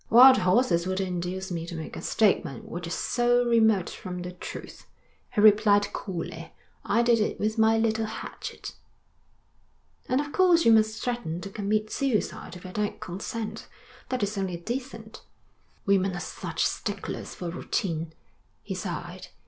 'Wild horses wouldn't induce me to make a statement which is so remote from the truth,' he replied coolly. 'I did it with my little hatchet.' 'And of course you must threaten to commit suicide if I don't consent. That is only decent.' 'Women are such sticklers for routine,' he sighed.